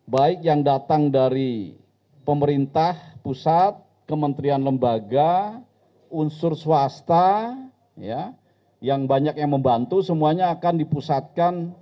baik yang datang dari pemerintah pusat kementerian lembaga unsur swasta yang banyak yang membantu semuanya akan dipusatkan